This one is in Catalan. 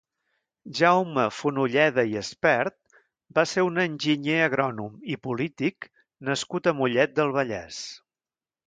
Jaume Fonolleda i Aspert va ser un enginyer agrònom i polític nascut a Mollet del Vallès.